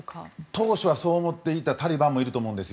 当時はそう思っていたタリバンもいたと思うんです。